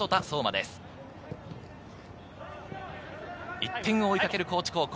１点を追いかける高知高校。